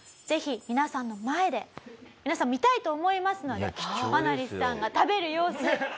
ぜひ皆さんの前で皆さん見たいと思いますのでマナリスさんが食べる様子